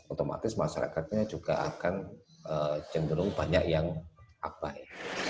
otomatis masyarakatnya juga akan jenderal banyak yang upay